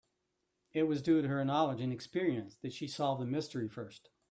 It was due to her knowledge and experience that she solved the mystery first.